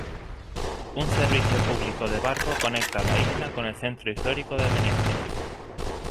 Un servicio público de barco conecta la isla con el centro histórico de Venecia.